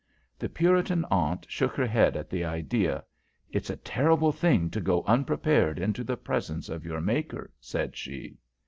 The Puritan aunt shook her head at the idea. "It's a terrible thing to go unprepared into the presence of your Maker," said she.